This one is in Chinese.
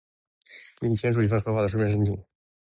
您已签署一份合法的书面声明，授权代理代表您行事。